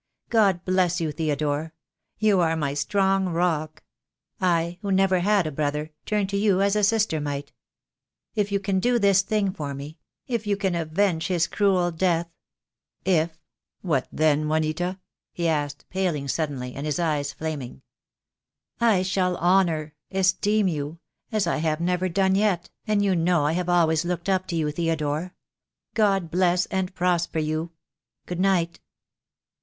God bless you, Theodore. You are my strong rock. I, who never had a brother, turn to you as a sister might. If you can do this thing for me — if you can avenge his cruel death " "If — what then, Juanita?" he asked, paling suddenly, and his eyes flaming. "I shall honour — esteem you — as I have never done yet, and you know I have always looked up to you, Theo dore. God bless and prosper you. Good night."